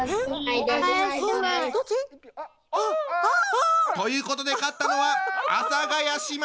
あ！ということで勝ったのは阿佐ヶ谷姉妹！